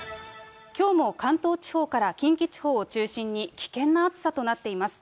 きょうも関東地方から近畿地方を中心に、危険な暑さとなっています。